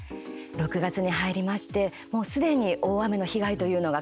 ６月に入りましてもうすでに大雨の被害というのが